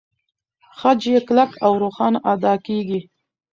خج يې کلک او روښانه ادا کېږي.